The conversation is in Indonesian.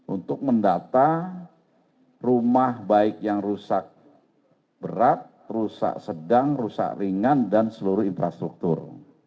untuk mendata rumah baik yang rusak berat rusak sedang rusak ringan dan seluruh infrastruktur